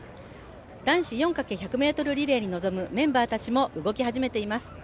男子４×１００ｍリレーに臨むメンバーたちも動き出しています。